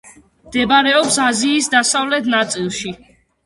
მდებარეობს აზიის დასავლეთ ნაწილში.